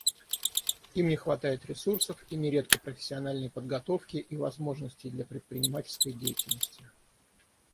Им не хватает ресурсов и нередко профессиональной подготовки и возможностей для предпринимательской деятельности.